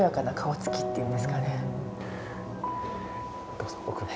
どうぞ奥に。